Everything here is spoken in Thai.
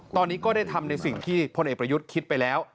ตอนนี้ก็ได้ทำในสิ่งที่พลเอกประยุทธ์คิดไปแล้ว